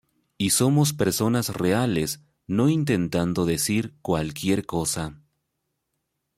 Y somos personas reales no intentando decir cualquier cosa.